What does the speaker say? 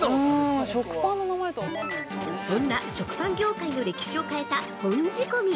そんな、食パン業界の歴史を変えた「本仕込」。